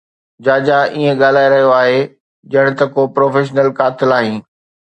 جاجا ائين ڳالهائي رهيو آهي ڄڻ ته ڪو پروفيشنل قاتل آهين